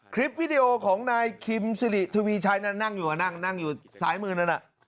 คลิปวิดีโอของนายคิมสิริทวีชัยนั่นนั่งอยู่สายมือนั่นน่ะ